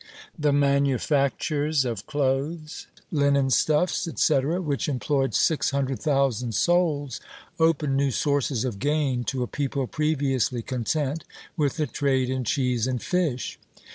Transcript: The manufactures of clothes, linen stuffs, etc., which employed six hundred thousand souls, opened new sources of gain to a people previously content with the trade in cheese and fish.